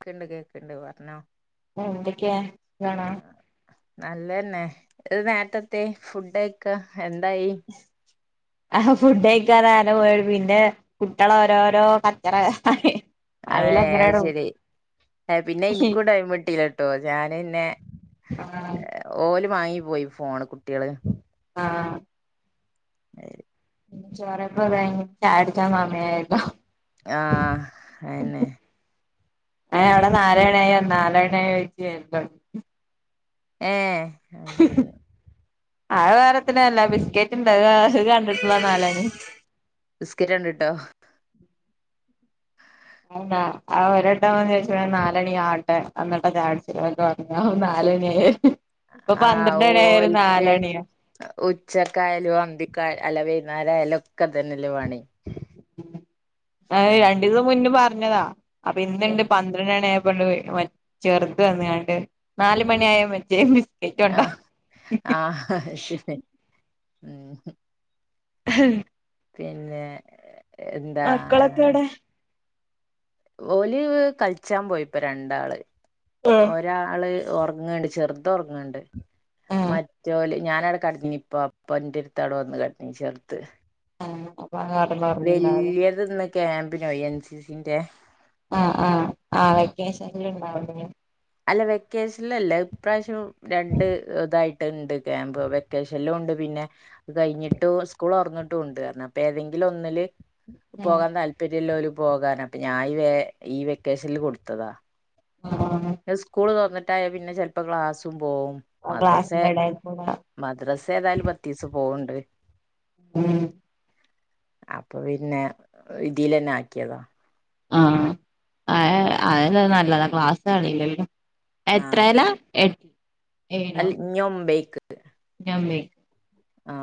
കേക്ക്ണ്ട് കേക്ക്ണ്ട് പറഞ്ഞോ എന്തൊക്കെയാ സുഖാണോ നല്ലന്നെ ഇത് നേരത്തെത്തി ഫുഡയിക്ക എന്തായി [unintelligible] നേരം വൈകി പിന്നെ കുട്ട്യള ഓരോരോ കച്ചറ ആയ് അയ് അയിലങ്ങനാണ് ശരി ആ പിന്നെ ഇൻക്കും ടൈമിട്ടീലട്ടോ അത് ഞാന് പിന്നേ ആ ഓന് വാങ്ങി പോയി ഫോൺണം കുട്ടീള് ആഹ് [unintelligible] ചോറെപ്പ് കയിഞ്ഞ് ചായുടിച്ച വന്നെരുന്നു ആഹ് അയന്നെ ഏ അവിടെ നാലണി ആയ നാലണി ആയ വെഴ്ച്ചു [unintelligible] ഏഹ് [inaudible] ആ വേറൊത്തിനല്ല ബിസ്ക്കേറ്റ് ഇണ്ട് ഏസ് [unintelligible] കണ്ട്ട്ട്ള്ള നാലാണ് നിസ്കരിയാണ്ട്ട്ടോ ആ ആ ഒരട്ടം വന്നോയിച്ചപ്പൊയാ ണ് നാലണി ആവട്ടെ അന്ന്ട്ട ചായു ടിക്ക ഓന്പ്പൊ വന്നു നാലണിയിലെ ആഹ് ഓൽക്ക് ഉച്ചക്കായാലും അന്തിക്കായ അല്ല വരും ന്നേരായലൊക്കെതന്നെ അല്ലെ പണി ആ [unintelligible] ഉം രണ്ടിസം മുന്നേ പറ ഞ്ഞതാ അപ്പൊ ഇന്ന്ണ്ട് ഏഹ് പന്ത്രണ്ടണായപൊ കൊണ്ട് പോയി ഓൻ ചെറുത് വന്നാണ്ട് നാല് മണിയായപൊ ജേ മിസ് കേറ്റോണ്ട ആഹ് ആഹ് അത് ശരി ഉം [inaudible] പിന്നേ മക്കളൊക്കെവിടെ ഓലീവ് കളിച്ചാൻപോയിപ്പൊരണ്ടാള് ആഹ് ഒരാള് ഒർങ്ങ്ണ്ട് ചെർ തൊറങ്ങ്ണ് ണ്ട് ആഹ് മറ്റോലെയ് ഞാൻ ആടെ കട്ന്നിനി ഇപ്പ അപ്പ ന്റെ അട്‌ത്ത് ആടെ വന്ന് കട്ന്നിനി ചെർത് ആ വല്യതൊന്ന് കേ പിന്നെ എൻ സി സി ന്റെ അ അ ആ വെക്കേഷൻല് ഇണ്ടാവുലെ അല്ല വെക്കേഷൻല് അല്ല അഹ് ഇപ്രാവശ്യം രണ്ട് ഇതായിട്ട് ഇണ്ട് ക്യാമ്പ് വെക്കേഷൻലുണ്ട് പിന്നെ കഴിഞ്ഞിട്ടു സ്കൂൾ തൊറന്നുട്ടുണ്ട് അപ്പ ഏതെങ്കിലും ഒന്നില് ഉം പോകാൻ താല്പര്യല്ലോല്ലോ പോകാന് അപ്പ ഞാൻ ഈ വെ വെക്കേഷൻൽ കൊടുത്തത ആഹ് ന്നെ സ്കൂള് തൊറന്നി ണ്ടായ പിന്നെ ചെലപ്പ ഗ്ലാസ്സും ഉം ആ മദ്രസെ ക്ലാസ്സിന്റെ എടേക്കൂടെ മദ്രസ് [inaudible] ഉം അപ്പൊ പിന്നെ ഇതീലെന്നെ ആക്കിയതാ ആ [unintelligible] [unintelligible] ക്ലാസ്സ്‌ അറീലല്ലോ ആഹ് എത്രേലാ എ അല്ല ഇഞ്ഞ് ഒമ്പേക്ക് [unintelligible] ആ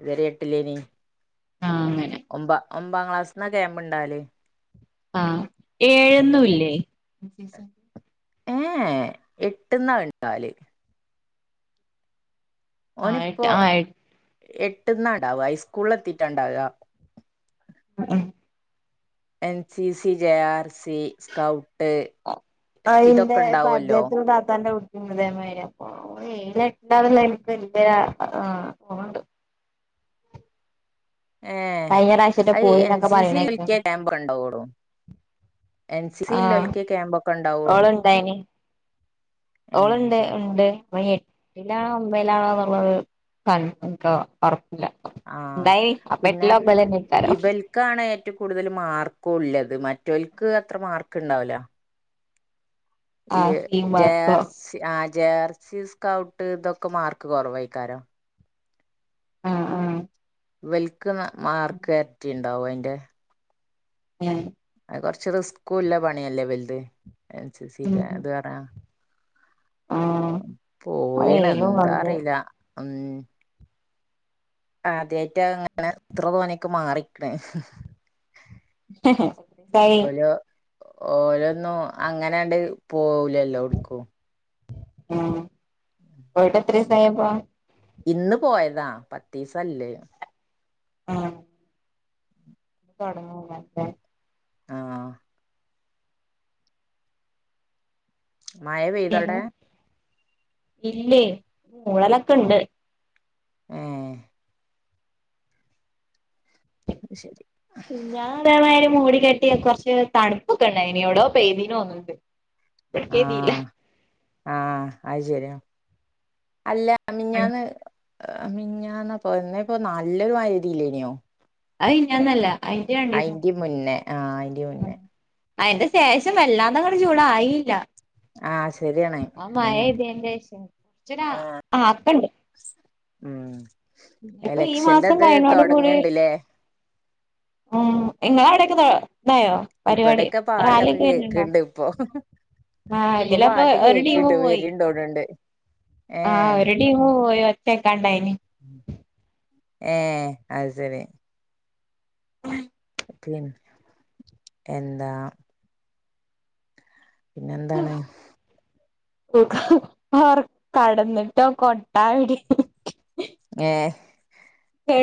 ഇത് വരെ എട്ട്ലെനി ആഹ് അങ്ങനെ ഒമ്പ ഒമ്പാ ക്ലാസ്സ്‌ന്ന ക്യാമ്പ്ണ്ടാവല് ആ ഏഴൊന്നുല്ലേ എ ഏ എട്ട്ന്ന ണ്ടവല് ഓനിപ്പോ ആയിട്ട് ആയി എട്ട്ന്നാ ഇണ്ടാവ് അയ്സ്കൂളെത്തിട്ട ണ്ടാവ [unintelligible] N C C J R C scout ഇതൊക്കെ ഇണ്ടാവല്ലോ ഉം അതേമാരി അപ്പ ഓലെ [unintelligible] എനിക്ക് [unintelligible] ആ പോവാണ്ട് ഏ കഴിഞ്ഞ പ്രാവശ്യറ്റെ അയ് എൻ പോയിന്നൊക്കെ സി സി പറയണേക്ക പിറ്റെ ക്യാമ്പ് ണ്ടാവൊള്ളൂ എൻ സി സി ല് ആഹ് ല്ലോൽക്കെ ക്യാമ്പ് ഒക്കെ ണ്ടാവൊള്ളൂ ഓള്ണ്ടായിനി ഏ അയ്ശരി ട്ടിലാ ഒമ്പേലാണെന്നുള്ളത് കൺഫോംട്ടൊ ഒറപ്പി ആ പിന്നെ ഒമ്പയിലെന്നെക്കാരം ഇബൽക്കാണ് ഏറ്റ ഏറ്റവും കൂടുതൽ മാർക്കുള്ളത് മറ്റവർക്ക് അത്ര മാർക്ക് ഉണ്ടാവൂല ഈ ആഹ് സി ജെ മാർക്കോ ആർ സി ആ ജെ ആർ സി സ്കൗട്ട് ഇതൊക്കെ മാർക്ക് കുറവായിക്കാരോം ആഹ് ആഹ് വെൽ ക്ക് മാർക്കെരട്ടിയാണ് ഉണ്ടാവോ അയിന്റെ ഏ അത് കൊറച്ച് റിസ്ക്കുള്ള പണിയല്ലേ ഇവലുത് എൻ സി സി ഉം അത് വേണ ആഹ് അത് പോയിണ് ഏഴിലും എന്താ കണ്ടു അറിയില്ല ഉം ആതെ അങ്ങനെ എത്ര തോനെ ഒക്കെ മാറിക്കണ് കഴി ഓരൊന്നും അങ്ങനാണ്ട് പോവലല്ലോ എടെക്കും ആ പോയിട്ട് എത്ര ദിവസായിപ്പം ഇന്ന് പോയതാ പത്ത് ദിവസായ്ല്ലേ ആ ഇ തൊടങ്ങുന്റെല്ലെ ആഹ് മയ പെയ്തോടെ ഇല്ലേ മൂളലൊക്കെ ഉണ്ട് ആ അ ശ പിന്ന ഒരെ മാരി മൂടി കെട്ടി കെട്ടിയ കുറച്ച് തണുപ്പൊക്കെ ഉണ്ടായിരുന്നു എവടോ പെയ്ദീനോന്ന്ണ്ട് ആ ആ അത് ശരിയാ അല്ല ആ മിനിഞ്ഞാന്ന് മിഞ്ഞാന്ന് പോയത് നല്ലൊരു മഴയില്യേനോ അയ് മിഞ്ഞാന്നല്ല അയിന്റെ മുന്നേ ആ അയിന്റെ മുന്നേ അതിന്റെ ശേഷം വല്ലാതങ്ങട് ചൂട് ആയില്ല ആഹ് ശരിയാണ് ആ മഴ അതെന്നെ എത്തിയ്ന്റെ വി ആഹ് [unintelligible] ആക്കണ്ട് ഉം ഇപ്പൊ ഈ മാസം എലക്ഷന്റെത് കയിണോടു കൂടി തൊടങ്ങ്ണ്ട്ല്ലേ ഉം ഇങ്ങളെ അവിടെക്കെ ഇബടെക്കെ പാട്ടൊക്കെ വരുന്നുണ്ടോ കേക്ക്ണ്ട് ഇപ്പൊ ആ ഇപ്പൊ ഇതിലപ്പൊ പാട്ട് ഒരു ടീമ് കേക്ക്ണ്ട് പോയി വര്ണ്ടോന്ന്ണ്ട് ആ ഏഹ് ഒരു ടീമ് പോയി ഒച്ചക്കണ്ടായിന് ഏ അത് ശരി പിൻ എന്താ പിന്നെ എന്താണ് കടന്നിട്ടോ കൊട്ടാ വി ട്ട്ട്ട് ഏ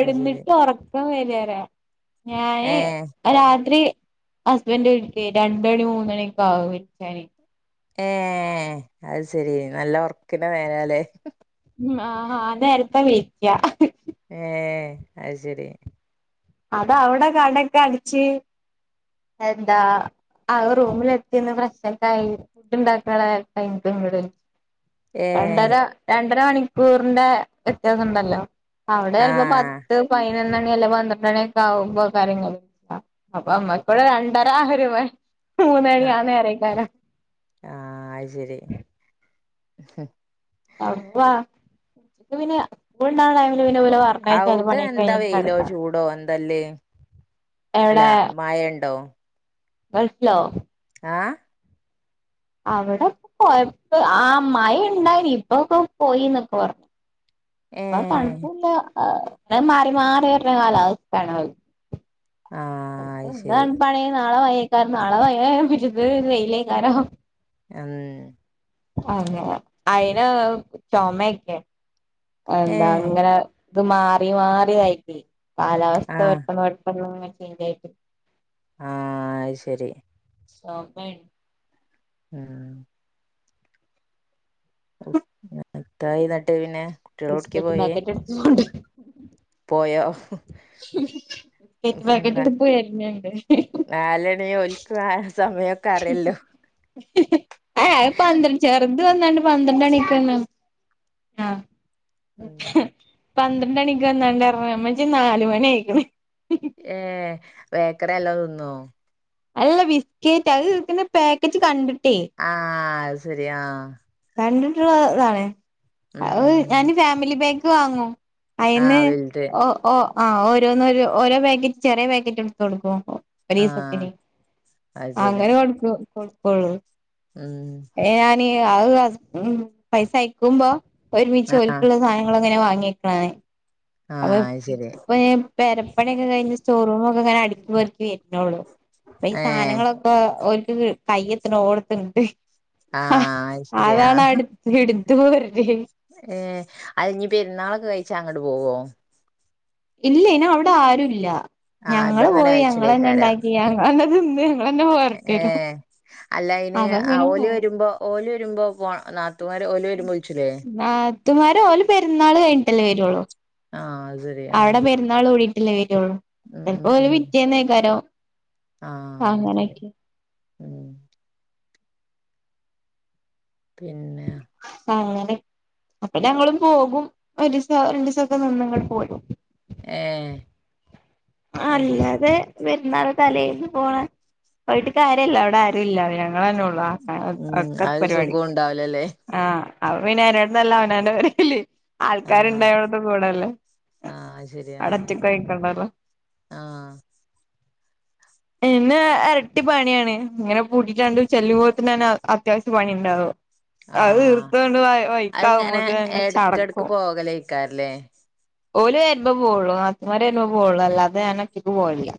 അത് ശരി ഉറക്കം വ [unintelligible] ഏ ഞാനെ രാത്രി ഹസ്ബൻഡ്‌ വിളിക്കുംരണ്ടണി മൂന്നണിയൊക്കെ ആവും വെക്കാന് ഏ അത് ശരി നല്ല ഓർക്കിന്റെ നേരാലേ ആ നേരത്താ വെക്കാ ഏ അത് ശരി അതവിടെ കടക്കെ അടിച്ച് എന്താ ആ റൂമിൽ എത്തിന്ന് ഫ്രഷ് ഒക്കെ ആയി ഫുഡ് ഇണ്ടാക്ക്ണടൈമില് ഇങ്ങട്ട് വിളി ചും ഏ രണ്ടര രണ്ട ഒന്നര മണിക്കൂറിന്റെ വ്യത്യാസം ഉണ്ടല്ലോ അവിടെ ആ ചിലപ്പോ പത്ത് പയിനൊ പതിനെന്നണി അല്ല പന്ത്രണ്ട ണിയെക്കെ ആാവുമ്പോ കാര്യങ്ങൾ അപ്പൊ മ്മക്ക് ഇവിടെ രണ്ടര ഒരു മണി മൂന്നണി ആ നേരേക്കാരം ശ ആ വ്വ പിന്നെ സ്കൂൾ ണ്ടാ യാലും ഇച്ച് പിന്നെ ഓല പറഞ്ഞേച്ചാലു അവിടെ പണിയെക്കെ എന്താ കഴിഞ്ഞ്ട്ട് വെയിലോ കടക്കാം ചൂടോ എന്തല്ലേ അല്ല മാഴഉണ്ടോ ഗൾഫിലോ ആ അവിടെ പോയ പ്പം ആ മഴ ഉണ്ടായിന് ഇപ്പൊക്കെ പോയിന്നൊക്കെ പറഞ്ഞു ഏ പ്പം ആ തണുപ്പുല്ല ആ ഉടെ മാറി മാറി വരണ കാലാവസ്ഥയാണ് ആ അത് ശരി എന്താണ് പണി നാളെ വയേക്കാര നാളെ വയേ പിരുത് തെയിലേക്കാരോ ഉം അയിന് ചൊമേക്കെ ഏ എന്താ അങ്ങനെ ഇത് മാറി മാറി ആയിപ്പോയി കാലാവസ്ഥ ആ പെട്ടെന്ന് പെട്ടെന്ന്ങ്ങ് ഈയിടെയായിട്ട് ങാ അയ്ശരി [unintelligible] ഉം കൈ തട്ടിവീണയാ ബിസ്ക്കറ്റ് പാക്കറ്റ് എടുത്തോണ്ട് പോയി പോയോ കിറ്റ് ഉം. പാക്കറ്റ് പോയരുന്നുണ്ട് നാലണി ഓൽക്ക് ആ സമയൊക്കെ അറിയല്ലോ ആ ഏ പന്ത്രണ്ട് ചേറ് അന്ത് വന്നാണ്ട് പന്ത്രണ്ട്മണിക്കൊന്ന് ആ ഉം പന്ത്രണ്ട് മണിക്ക് വന്നോണ്ടിറ് അമ്മച്ചി നാല് മണി ആയിക്കണ് ഏ വേക്കറി നല്ലോം തിന്നോ അല്ല ബിസ്ക്കേറ്റ് അത് പിന്നെ പാക്കറ്റ് കണ്ടിട്ട് ആ അത് ശരി ആ കണ്ടിട്ടുള്ള ഇതാണേ ഉം അത് ഉം ഞാനീ ഫാമിലി പാക് ക്ക് വാങ്ങും അയിന് ആഹ് വലുത് ഓ ഓ ആ ഓരോന്ന് ഓരോ ഓരോ പാക്കറ്റ് ചെറിയ പാക്കറ്റ് എടുത്ത് കൊടുക്കും ആഹ് ഒരീസത്തിന് അത് ശരി അങ്ങനെ കൊടുക്കും കൊടു പ്പോള് ഉം [unintelligible] ഉം പൈസ അയക്കുമ്പോ ഒരുമിച്ച് ആഹ് ഓൽക്കുള്ള സാധനങ്ങളങ്ങനെ വാങ്ങി ങ്ങിയേക്കണാണ് അപ്പൊ ആഹ് അത് ശരി ഇപ്പൊ പെരപ്പണിയൊക്കെ കഴിഞ്ഞ് സ്റ്റോറൂമൊക്കെഇങ്ങനടുക്കിപെറുക്കി വരുന്നേള്ളു അപ്പൊ ഈ ഏഹ് സാധനങ്ങളൊക്കെ ഓര്ക്ക് കയ്യത്തിന് ഓടത്തിണ്ട് ഹ ആഹ് അതാണ് അടു വീടിൽ ത് പോര് ഏ അത് ഞ്ഞ് പെരുന്നാളൊക്കെ കഴി ച്ച അങ്ങട്ട് പോവോ ഇല്ല ഇന് അവിടെ ആരുല്ല ആഹ് ഞങ്ങള് ഇവിടന്നന്നെ പോയി ഞങ്ങളന്നെ ണ്ടാക്കി ഞങ്ങളന്നെ തിന്ന് [unintelligible] ഏ പോരട്ടരും അല്ല അയ്ന് അപ്പൊ പിന്നെ ഓല് പോല വരുമ്പൊ ഓല് രുമ്പോ പോൺ നാ മാരെ ഓല് വരുമ്പൊ വിളിച്ചുലേ ത്തുമാര് ഓല് പെര്ന്നാൾ കഴിഞ്ഞട്ടല്ലേ വരൊള്ളൂ ആഹ് അത് ശരി ആഹ് അവടെ പെര്ന്നാൾ ഒഴി ഇല്ലയ് ചെൽപ്പോ ഈ വിദ്യാന്നേക്കാരോ ആ [inaudible] ശരി ഉം പിന്നെ ആ അങ്ങനെ അപ്പൊ ഞങ്ങളും പോകും ഒരിസോ രണ്ടിസൊക്കെ നിന്ന് ഇങ്ങട്ട് പോരും ഏഹ് അത് ശരി അല്ലാതെ വെര്ന്നാള് തലേന്ന് പോവാൻ പറഞ്ഞിട്ട് കാര്യവില്ല അവിടെ ആരൂല്ല ങ്ങളന്നെ ഒള്ളു ആ അ ഉം ഒക്കെ ആ ഒരു സുഖം പരിപാടിക്ക് ഉണ്ടാവൂലല്ലേ ആഹ് അപ്പൊ പിന്നെ അതിലാറീം നല്ലത് അവനാൻ്റെ പെരീൽ ആഹ് ആൾക്കാരുണ്ടായോണ്ട് കൂടല്ലേ ആഹ് അത് ശരിയാന്നെ അവടറ്റക്ക് പോയിക്കണ്ടല്ലോ ആഹ് എന്നെ എരട്ടി പണിയാണ് ഇങ്ങനെ പൂട്ടിട്ടാണ്ട് ചെല്ലുംമ്പോത്തിനന്നെ അത്യാവശ്യം പണിണ്ടാവും അത് ആഹ് തീർത്താണ്ട് വൈ വൈക്കാവുമ്പോത്തിനന്നെ ചടക്കും ക്കാര്ലേ ഓല് വരുമ്പൊ പോവുള്ളൂ നാത്തുമാര് വരുമ്പൊ പോവുള്ളൂ അല്ലാതെ ഞാനൊറ്റക്ക് പോവലില്ല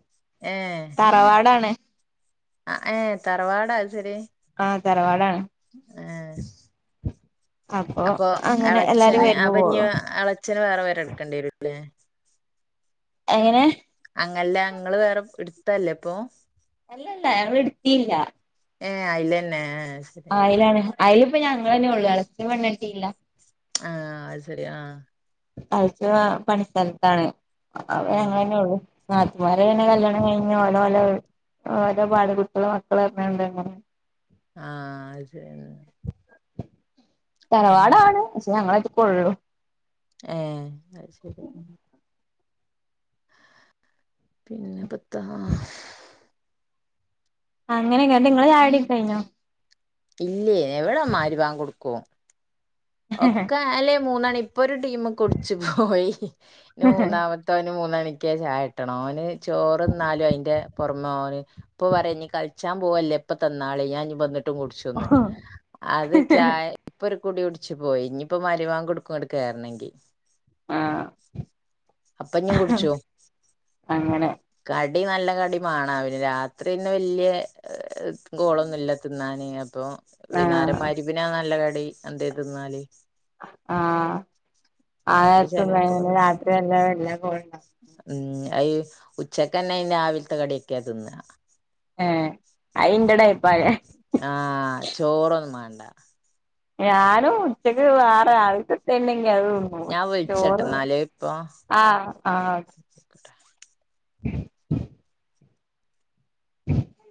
തറവാടാണ് അ ഏ തറവാടാ അയത്ശരി ആ തറവാടാണ് അപ്പൊ അങ്ങനെ എല്ലാരും എളച്ചന് വരുമ്പോ അപ്പഞ്ഞ് പോവുള്ളൂ എളച്ചന് വേറെ പേരെ എട്ക്കണ്ട് യരൂല്ലേ എങ്ങനെ അങ്ങല്ല ഇങ്ങള് വേറെ ഇട്ത്തല്ലേപ്പൊ അല്ലല്ല ഞങ്ങള് ഇട്ത്തീല്ല ഏ അയില്ലെന്ന അയ്ലാണ് അയല് അപ്പൊ ഞങ്ങന്നെ ഉള്ളൂ ഇളച്ചൻ പെണ്ണ് കെട്ടീല്ല ആഹ അത് ശരി ആഹ് അഴ്ച പണിസ്ഥലത്താണ് അപ്പോ ഞങ്ങൾ അത് ശരി തന്നെയെളു ഇവരെ എങ്ങനെ കല്യാണം കഴിഞ്ഞഞ് ഓലോ ഓല ഓലോ ഭാര്യ കുട്ടികും മക്കൾ എന്ന് പറഞ്ഞ് കൊണ്ട് ആഹ അത് ശരിയാ തറവാടാണ് പക്ഷെ ഞങ്ങൾ അതി തെ കൊള്ളു ഏ അത് ശരി പിന്നെ പത്തഹ അങ്ങനെയനിങ്ങളുടെ ചായ കുടിയെ കൊ കഴിഞ്ഞോ ഇല്ലേ എവിടെ മഗ്രതാൻ കൊടുക്കുവോ ഒക്കെ അലേ മൂന്ന് അണി ഇപ്പോൾ ഒരു ടീം കുടിച്ച്പോയി ഇനി മൂന്നാമത്തോന് മൂന്നണി കിട്ടിയ ചായ കിടണം ഓന് ചോറ്ന്നാലും അയിന്റ പുറനോളി ഇപ്പൊ പറയാ ഇനി കളിച്ചാ പോവല്ലേ ഇപ്പ തീന്നാളി ഞാൻനി കുടിച്ചുന്ന് അത് ചായ ഇപ്പരു കൂടികുടി ച്ച്പോയി ഇനിയിപ്പോ മരുവാക്ക്കൊടുക്കണം ഇങ്ങോട്ക്കെർണെങ്കി ആഹ് അപ്പോ ഞാൻ കുടിച്ചു അങ്ങനെ ക കടിനല്ല കടി മാനവില്ല രാത്രി പിന്നെവേല്യ ഗോളൊന്നു ഇല്ലാ തിന്നാന് നി അപ്പോ വൈന്നാരം ആഹ് മരിമ്പ്ന് ആ നല്ലകടി കടി അതെരു തിന്നാല് ആ രാത്രി ആനേരത്ത് തിന്നാ ചെലേപ്പൊക്കെ പിന്നെ തിന്നും രാത്രി നല്ല [inaudible] ഉം അ ഉച്ചക്ക്ന്നെ രാവിലത്തെകടിയൊക്കെയാ തിന്ന ഏ അയിന്റെടയിപ്പായേ ആഹ് ചോറ് ഒന്നുമണ്ടാ ഞാനും ഉച്ചക്ക് വേറെ രാവിലതെത്തന്നെ എങ്കി അത് തിന്നും ഞാൻ ചോറ് വിളിച്ചട്ടന്നാല് ഇപ്പൊ ആഹ് ആഹ് [unintelligible]